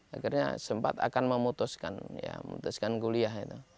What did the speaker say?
akhirnya sempat akan memutuskan ya memutuskan kuliah itu